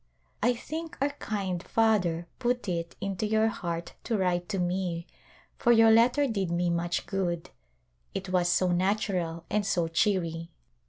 I think our kind Father put it into your heart to write to me for your letter did me much good, it was so natural and so cheery.